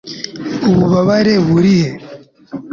ububabare burihe